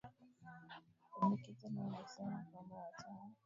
pendekezo lao la kusema kwamba wataa